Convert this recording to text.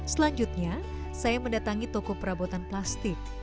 selanjutnya saya mendatangi toko perabotan plastik